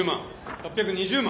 ６２０万。